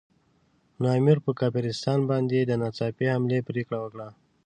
نو امیر پر کافرستان باندې د ناڅاپي حملې پرېکړه وکړه.